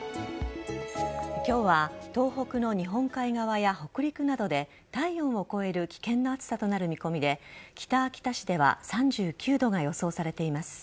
今日は東北の日本海側や北陸などで体温を超える危険な暑さとなる見込みで北秋田市では３９度が予想されています。